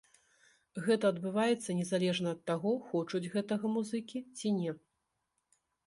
Гэта адбываецца незалежна ад таго хочуць гэтага музыкі ці не.